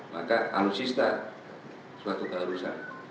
maka alutsista suatu keharusan